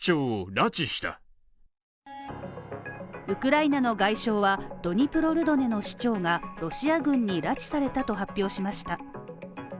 ウクライナの外相は、ドニプロルドネの市長がロシア軍に拉致されたと発表しました。